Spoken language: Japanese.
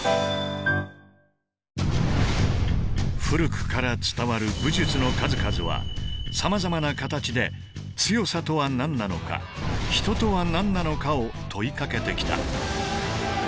古くから伝わる武術の数々はさまざまな形で強さとは何なのか人とは何なのかを問いかけてきた。